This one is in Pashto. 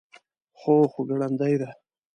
هو، خو ګړندۍ ده